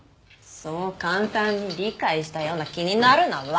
そう簡単に理解したような気になるな若者よ！